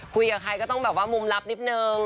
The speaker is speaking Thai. คุยกับใครก็ต้องแบบว่ามุมลับนิดนึง